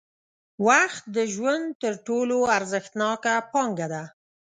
وخت د ژوند تر ټولو ارزښتناکه پانګه ده.